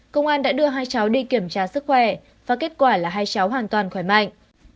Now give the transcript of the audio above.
công an đã đưa hai cháu đi kiểm tra sức khỏe và kết quả là hai cháu hoàn toàn khỏe mạnh